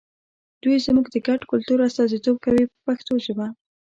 دوی زموږ د ګډ کلتور استازیتوب کوي په پښتو ژبه.